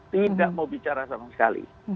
tidak mau bicara sama sekali